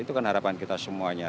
itu kan harapan kita semuanya